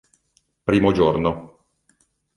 Primo giorno.